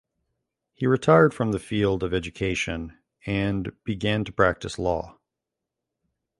He retired from the field of education and began to practice law.